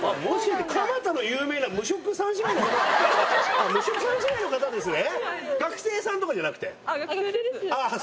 あっ無職三姉妹の方ですね。